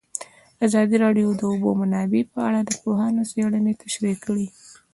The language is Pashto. ازادي راډیو د د اوبو منابع په اړه د پوهانو څېړنې تشریح کړې.